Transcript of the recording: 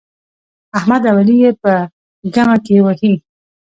احمد او علي يې په ګمه کې وهي.